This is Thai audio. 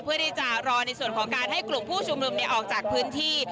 เพื่อที่จะรอในส่วนของการให้กลุ่มผู้ชุมนุมออกจากพื้นที่